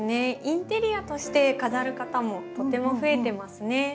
インテリアとして飾る方もとても増えてますね。